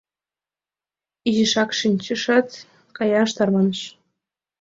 Изишак шинчышат, каяш тарваныш.